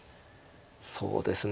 そうですね